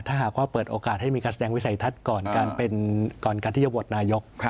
ถ้าหากว่าเปิดโอกาสให้มีการแสดงวิสัยทัศน์ก่อนการเป็นก่อนการที่จะโหวตนายก